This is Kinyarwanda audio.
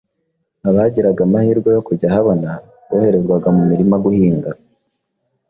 Abagiraga amahirwe yo kujya ahabona boherezwaga mu mirima guhinga.